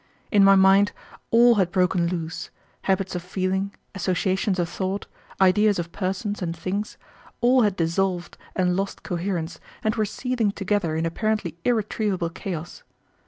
In my mind, all had broken loose, habits of feeling, associations of thought, ideas of persons and things, all had dissolved and lost coherence and were seething together in apparently irretrievable chaos.